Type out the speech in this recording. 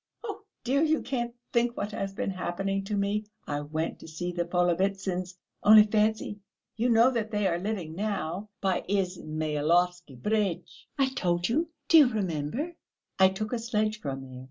"Oh, dear, you can't think what has been happening to me. I went to see the Polovitsyns; only fancy ... you know they are living now by Izmailovsky Bridge; I told you, do you remember? I took a sledge from there.